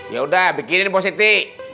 yaudah bikinin positi